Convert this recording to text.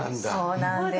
そうなんです。